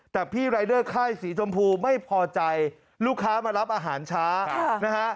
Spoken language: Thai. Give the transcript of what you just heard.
แต่พี่รายเดอร์ค่ายสีชมพูไม่พอใจลูกค้ามารับอาหารช้านะฮะ